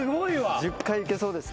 １０回いけそうですね。